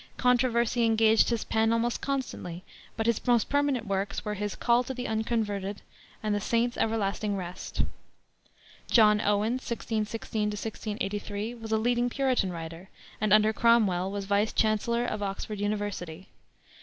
Controversy engaged his pen almost constantly, but his most permanent works were his Call to the Unconverted and The Saints' Everlasting Rest. John Owen (1616 1683) was a leading Puritan writer, and under Cromwell was vice chancellor of Oxford University.